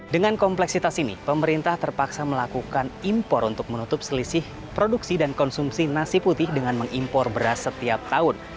dengan kompleksitas ini pemerintah terpaksa melakukan impor untuk menutup selisih produksi dan konsumsi nasi putih dengan mengimpor beras setiap tahun